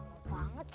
lama banget sih